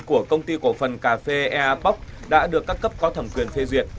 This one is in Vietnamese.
của công ty cổ phần cà phê eapoc đã được các cấp có thẩm quyền phê duyệt